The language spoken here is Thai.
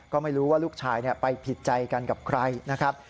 ก็ไม่รู้ว่าลูกชายไปผิดใจกันกับใครนะครับ